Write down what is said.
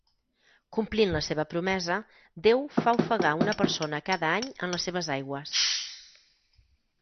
Complint la seva promesa Déu fa ofegar una persona cada any en les seves aigües.